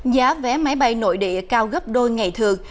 giá vé máy bay nội địa cao gấp đôi ngày thường